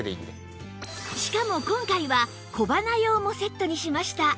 しかも今回は小鼻用もセットにしました